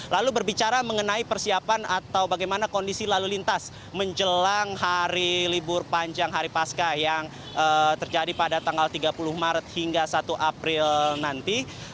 lalu berbicara mengenai persiapan atau bagaimana kondisi lalu lintas menjelang hari libur panjang hari pasca yang terjadi pada tanggal tiga puluh maret hingga satu april nanti